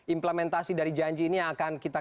implementasi dari janji ini akan kita